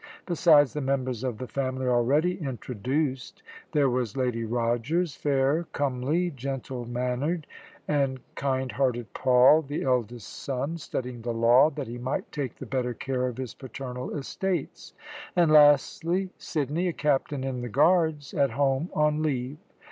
Besides the members of the family already introduced, there was Lady Rogers fair, comely, gentle mannered and kind hearted Paul the eldest son, studying the law that he might take the better care of his paternal estates; and, lastly, Sidney, a captain in the Guards, at home on leave.